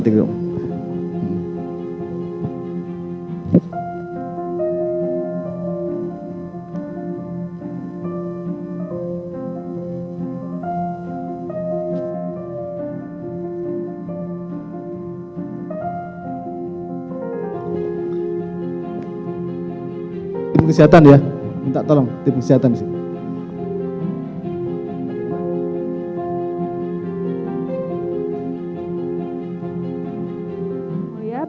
tim kesehatan ya minta tolong tim kesehatan